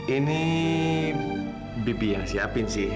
ini bibi yang siapin sih